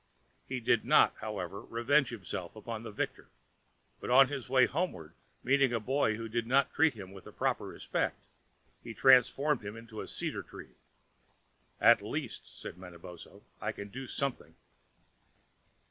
He did not, however, revenge himself on his victor, but on his way homeward, meeting a boy who did not treat him with proper respect, he transformed him into a cedar tree. "At least," said Manabozho, "I can do something."